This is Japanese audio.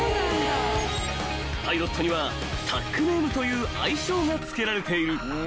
［パイロットにはＴＡＣネームという愛称が付けられている］